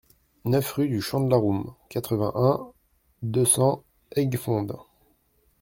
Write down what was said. neuf rue du Champ de la Roume, quatre-vingt-un, deux cents, Aiguefonde